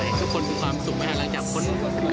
อยากให้ทุกคนมีความสุขนะครับหลังจากคนโควิด๑๙